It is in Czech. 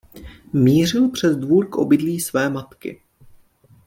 Mířil přes dvůr k obydlí své matky.